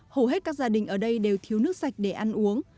hầu hết các gia đình ở đây đều thiếu nước sạch để ăn uống